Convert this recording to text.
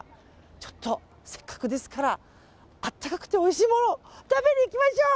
ちょっと、せっかくですから温かくておいしいもの食べに行きましょう。